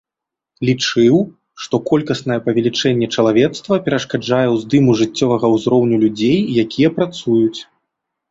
Лічыў, што колькаснае павелічэнне чалавецтва перашкаджае ўздыму жыццёвага ўзроўню людзей, якія працуюць.